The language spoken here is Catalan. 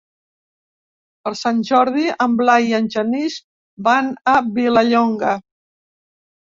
Per Sant Jordi en Blai i en Genís van a Vilallonga.